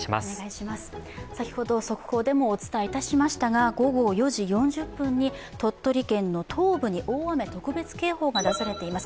先ほど速報でもお伝えいたましたが、午後４時４０分に鳥取県の東部に大雨特別警報が出されています。